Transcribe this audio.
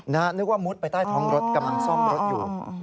นึกว่ามุดไปใต้ท้องรถกำลังซ่อมรถอยู่